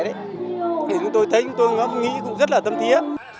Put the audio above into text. thì chúng tôi thấy chúng tôi nghĩ cũng rất là tâm thiết